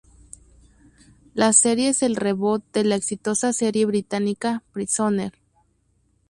La serie es el reboot de la exitosa serie británica Prisoner.